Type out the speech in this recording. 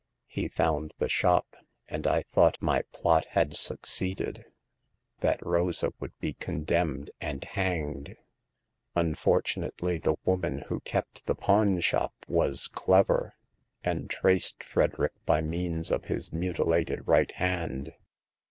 He found the shop, and I thought my plot had succeeded : that Rosa would be con demned and hanged. Unfortunately, the woman who kept the pawn shop was clever, and traced Frederick by means of his mutilated right hand.